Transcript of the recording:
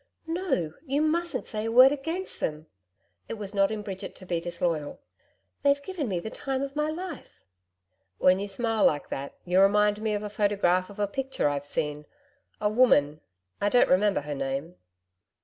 'No. You mustn't say a word against them.' It was not in Bridget to be disloyal. 'They've given me the time of my life.' 'When you smile like that, you remind me of a photograph of a picture I've seen a woman, I don't remember her name.'